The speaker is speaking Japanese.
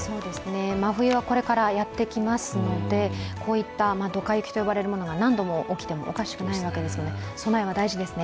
真冬はこれからやってきますので、こういったドカ雪と呼ばれるものが何度も起きてもおかしくないわけですね。